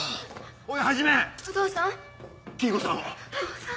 おい！